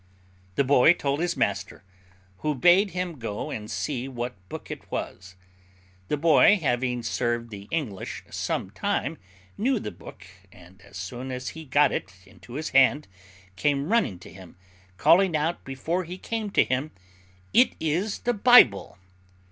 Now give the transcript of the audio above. The boy told his master, who bade him go and see what book it was. The boy having served the English some time, knew the book, and as soon as he got it into his hand, came running to him, calling out before he came to him, "It is the Bible!"